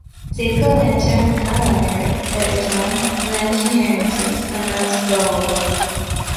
Take a lantern and a lighter, Aytron, the Engineer answers, and let’s go.